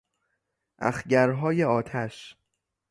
اخگرهای آتش